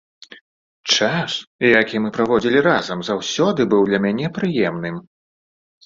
Час, які мы праводзілі разам, заўсёды быў для мяне прыемным.